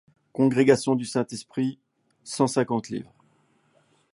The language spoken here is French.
Congrégation du Saint-Esprit: cent cinquante livres.